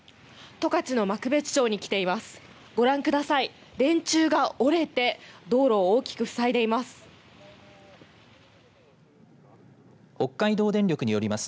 十勝の幕別町に来ています。